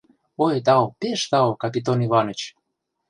— Ой тау, пеш тау, Капитон Иваныч!